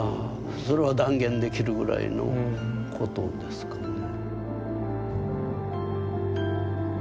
それは断言できるぐらいのことですかね。